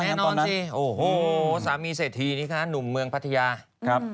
ตอนนั้นโอ้โหสามีเศรษฐีนี่คะหนุ่มเมืองพัทยาครับ